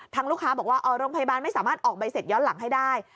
ลูกค้าบอกว่าโรงพยาบาลไม่สามารถออกใบเสร็จย้อนหลังให้ได้